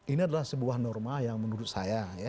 ini adalah sebuah norma yang menurut saya